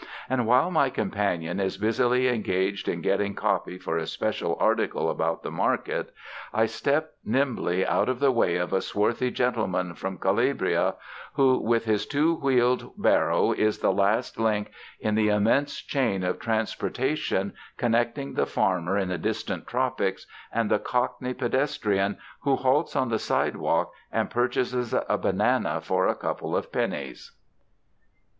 And while my companion is busily engaged in getting copy for a special article about the Market, I step nimbly out of the way of a swarthy gentleman from Calabria, who with his two wheeled barrow is the last link in the immense chain of transportation connecting the farmer in the distant tropics and the cockney pedestrian who halts on the sidewalk and purchases a banana for a couple of pennies.